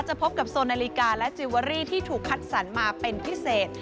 พบกับโซนาฬิกาและจิลเวอรี่ที่ถูกคัดสรรมาเป็นพิเศษ